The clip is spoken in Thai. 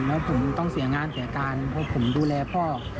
แล้วผมต้องเสียงานเสียการเพราะผมดูแลพ่อ